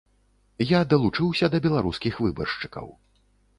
Я далучыўся да беларускіх выбаршчыкаў.